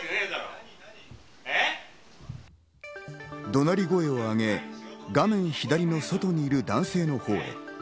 怒鳴り声をあげ、画面左の外にいる男性のほうへ。